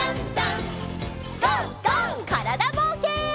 からだぼうけん。